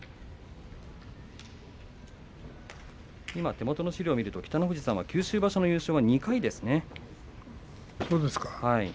手もとの資料を見ると北の富士さんは九州場所の優勝はそうですか。